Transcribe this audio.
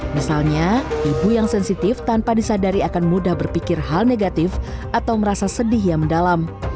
misalnya ibu yang sensitif tanpa disadari akan mudah berpikir hal negatif atau merasa sedih yang mendalam